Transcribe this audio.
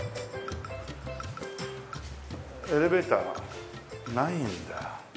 エレベーターないんだ。